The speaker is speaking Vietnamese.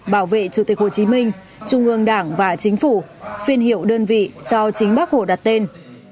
bảo vệ chủ tịch hồ chí minh trung ương đảng và chính phủ phiên hiệu đơn vị do chính bác hồ đặt tên